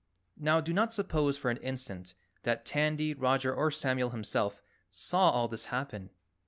Now do not suppose for an instant that Tandy, Roger or Samuel himself saw all this happen.